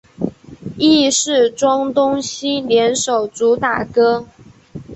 亦是庄冬昕联手主打歌。